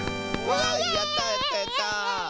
わいやったやったやった！